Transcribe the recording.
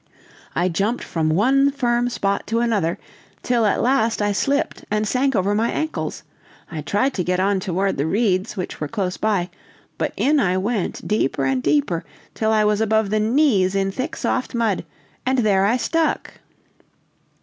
"I jumped from one firm spot to another, till at last I slipped and sank over my ankles; I tried to get on toward the reeds, which were close by, but in I went deeper and deeper, till I was above the knees in thick soft mud, and there I stuck!